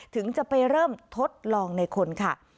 ถึงจะไปเริ่มทดลองในคนค่ะ